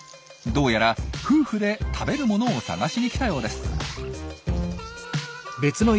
どうやら夫婦で食べるものを探しに来たようです。